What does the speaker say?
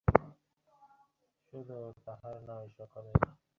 শুধু তাহার নয়, সকলের।